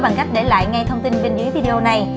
bằng cách để lại ngay thông tin bên dưới video này